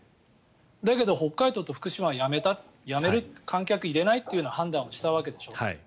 だけど、北海道と福島はやめた観客を入れないという判断をしたわけでしょう。